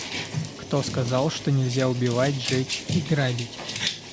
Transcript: Кто сказал, что нельзя убивать, жечь и грабить?